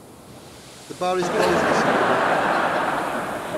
The bar is closed this evening.